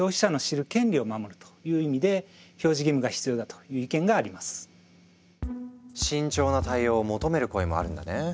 そういった意味からも慎重な対応を求める声もあるんだね。